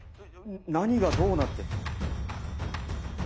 何がどうなって。